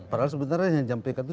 padahal sebenarnya yang disampaikan itu